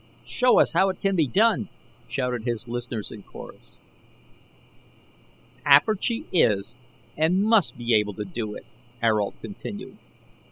"Show us how it can be done," shouted his listeners in chorus. "Apergy is and must be able to do it," Ayrault continued.